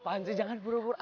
apaan sih jangan buru buru